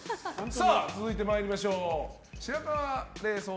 続いて参りましょう。